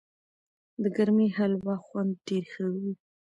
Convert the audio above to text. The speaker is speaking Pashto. د ګرمې هلوا خوند ډېر ښه و.